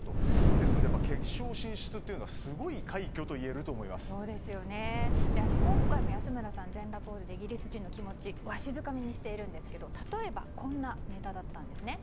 ですので、決勝進出というのは今回も安村さん全裸ポーズでイギリス人の気持ちをわしづかみにしているんですけれども例えばこんなネタだったんですね。